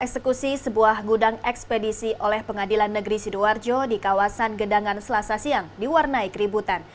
eksekusi sebuah gudang ekspedisi oleh pengadilan negeri sidoarjo di kawasan gedangan selasa siang diwarnai keributan